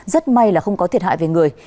rất may là không có thiệt hại về người